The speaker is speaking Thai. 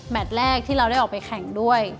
แรกที่เราได้ออกไปแข่งด้วย